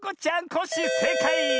コッシーせいかい！